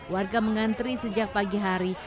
warga mengantri sejak pagi hari